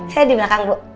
saya di belakang bu